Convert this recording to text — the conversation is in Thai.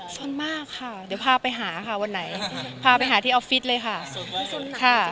ส่วนมากค่ะเดี๋ยวพาไปหาค่ะวันไหนพาไปหาที่ออฟฟิศเลยค่ะ